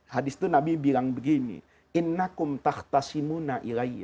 hadis itu nabi bilang begini